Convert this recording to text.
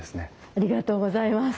ありがとうございます。